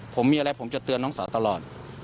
ผมมีอะไรผมจะเตือนน้องสาวตลอด